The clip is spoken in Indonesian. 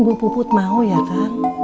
bu puput mau ya kang